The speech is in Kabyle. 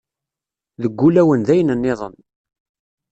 Deg ulawen d ayen nniḍen.